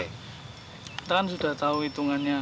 kita kan sudah tahu hitungannya